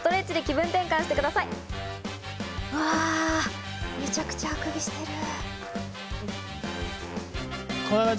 うわ、めちゃくちゃあくびこんな感じ？